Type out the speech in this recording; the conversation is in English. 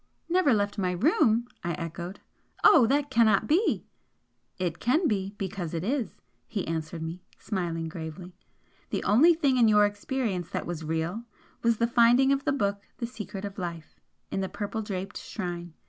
"Never left my room!" I echoed "Oh, that cannot be!" "It can be, because it is!" he answered me, smiling gravely "The only thing in your experience that was REAL was the finding of the book 'The Secret of Life' in the purple draped shrine.